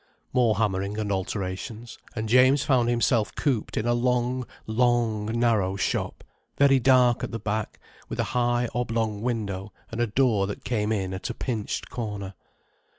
More hammering and alterations, and James found himself cooped in a long, long narrow shop, very dark at the back, with a high oblong window and a door that came in at a pinched corner.